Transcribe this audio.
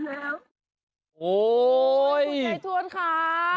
ขอบคุณครับ